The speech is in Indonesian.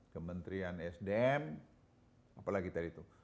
kementerian sdm apalagi tadi itu